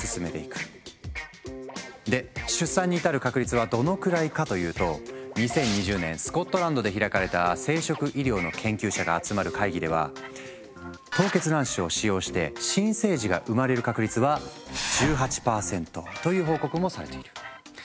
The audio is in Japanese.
で出産に至る確率はどのくらいかというと２０２０年スコットランドで開かれた生殖医療の研究者が集まる会議では凍結卵子を使用して新生児が産まれる確率は１８％という報告もされている。